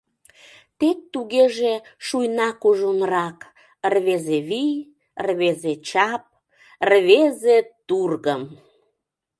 Тек тугеже шуйна кужунрак Рвезе вий, рвезе чап, рвезе тургым!